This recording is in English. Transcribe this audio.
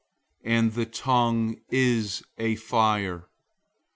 003:006 And the tongue is a fire.